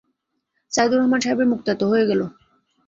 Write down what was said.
সাইদুর রহমান সাহেবের মুখ তেতো হয়ে গেল।